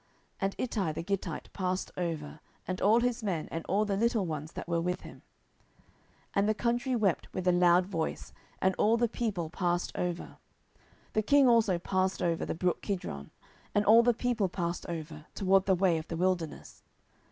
And Ittai the Gittite passed over, and all his men, and all the little ones that were with him. 10:015:023 And all the country wept with a loud voice, and all the people passed over: the king also himself passed over the brook Kidron, and all the people passed over, toward the way of the wilderness.